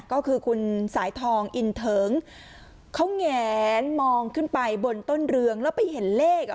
ก็คือคุณสายทองอินเทิงเขาแงนมองขึ้นไปบนต้นเรืองแล้วไปเห็นเลขอ่ะ